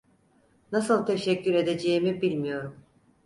Nasıl teşekkür edeceğimi bilmiyorum.